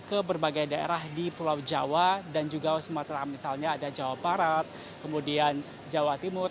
ke berbagai daerah di pulau jawa dan juga sumatera misalnya ada jawa barat kemudian jawa timur